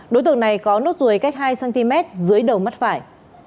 đối tượng này có nốt ruồi cách hai cm dưới đầu mắt phải